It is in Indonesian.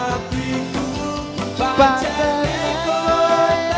rambi ruang dia